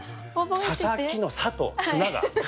佐佐木の「佐」と「綱」が。